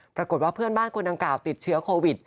ปรากฏว่าเพื่อนบ้านคนดังกล่าวติดเชื้อโควิด